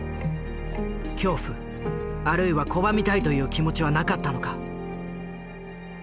恐怖あるいは拒みたいという気持ちはなかったのか？